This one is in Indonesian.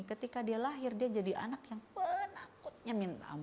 ketika dia lahir dia jadi anak yang penakutnya minta ampun